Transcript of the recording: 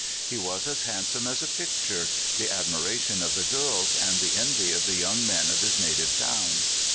He was as hand some as a picture the admiration of the girls, and the envy of the young men of his native town.